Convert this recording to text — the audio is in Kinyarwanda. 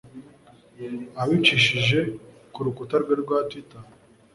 abicishije ku rukuta rwe rwa Twitter